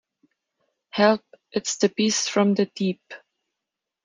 Help! It's the beast from the deep.